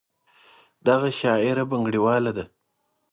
دغه شاعره بنګړیواله ده.